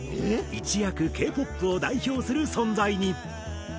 一躍Ｋ−ＰＯＰを代表する存在に。